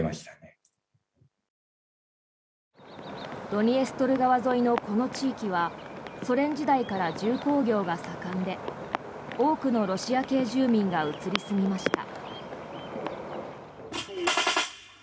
ドニエストル川沿いのこの地域はソ連時代から重工業が盛んで多くのロシア系住民が移り住みました。